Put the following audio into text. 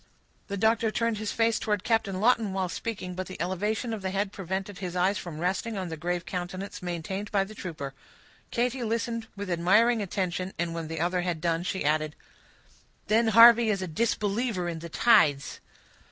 The doctor turned his face towards Captain Lawton while speaking, but the elevation of the head prevented his eyes from resting on the grave countenance maintained by the trooper. Katy listened with admiring attention, and when the other had done, she added,— "Then Harvey is a disbeliever in the tides."